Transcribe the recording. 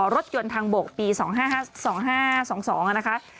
รถยนต์ทางโบกปี๒๕๒๒นะคะ